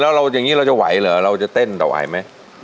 แล้วเราอย่างนี้เราจะไหวเหรอเราจะเต้นต่อไหวไหม